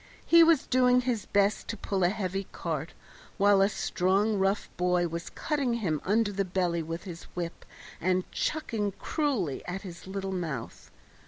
He was doing his best to pull a heavy cart, while a strong rough boy was cutting him under the belly with his whip and chucking cruelly at his little mouth.